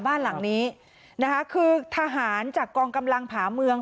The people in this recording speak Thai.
บ้านหลังนี้นะคะคือทหารจากกองกำลังผาเมือง